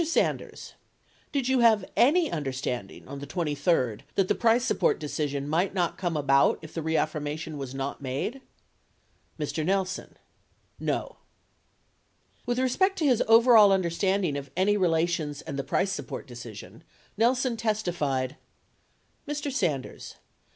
Sanders. Did you have any understanding on the 23d that the price support decision might not come about if the reaffirmation was not made ? Mr. Nelson. No. 88 With respect to his overall understanding of any relations and the price support decision, Nelson testified : Mr. Sanders.